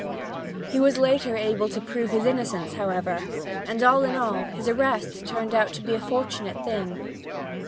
He was able later to prove his innocence, however, and, all in all, his arrest turned out to be a fortunate thing.